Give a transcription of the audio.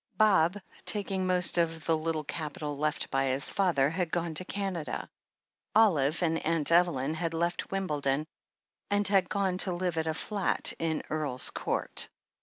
Bob, taking most of the little capital left by his father, had gone to Canada. Olive and Aunt Evelyn had left Wimbledon and had gone to live at a flat in Earl's Court.